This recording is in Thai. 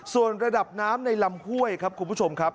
ส่วนระดับน้ำในลำห้วยครับคุณผู้ชมครับ